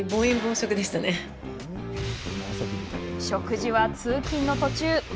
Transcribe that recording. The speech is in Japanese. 食事は通勤の途中。